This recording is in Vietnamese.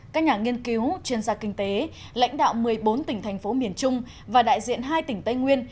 các nhà nghiên cứu chuyên gia kinh tế lãnh đạo một mươi bốn tỉnh thành phố miền trung và đại diện hai tỉnh tây nguyên